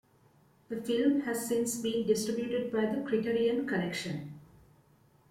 The film has since been distributed by the Criterion Collection.